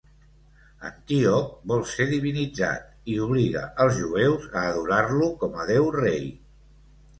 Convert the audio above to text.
Antíoc vol ser divinitzat i obliga els jueus a adorar-lo com a déu-rei.